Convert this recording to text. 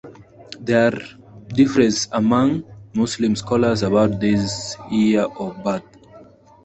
There are differences among Muslim scholars about his year of birth.